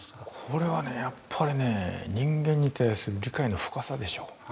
これはやっぱりね人間に対する理解の深さでしょう。